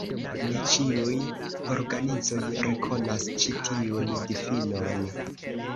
Ne ĉiuj organizoj rekonas ĉi tiun difinon.